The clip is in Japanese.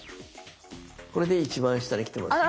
これで一番下にきてます。